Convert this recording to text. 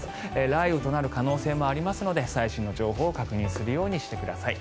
雷雨となる可能性もありますので最新の情報を確認するようにしてください。